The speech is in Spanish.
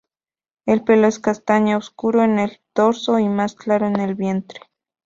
El pelo es castaño obscuro en el dorso y más claro en el vientre.